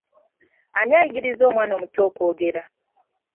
Ani ayigiriza omwana omuto okwogera?